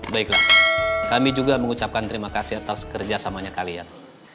baiklah kami juga mengucapkan terima kasih atas kerjasamanya kalian